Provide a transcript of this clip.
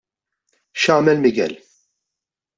X'għamel Miguel.